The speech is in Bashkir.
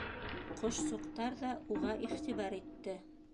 Ҡошсоҡтар ҙа уға иғтибар итте.